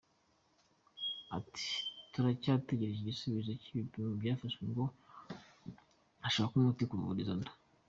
Ati “Turacyategereje igisubizo cy’ibipimo byafashwe ngo hashakwe umuti wavura izo nda.